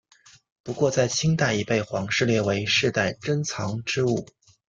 不过在清代已被皇室列为世代珍藏之物。